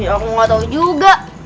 aku gak tau juga